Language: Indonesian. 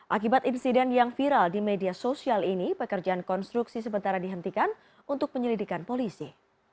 akibat insiden yang viral di media sosial ini pekerjaan konstruksi sementara dihentikan untuk penyelidikan polisi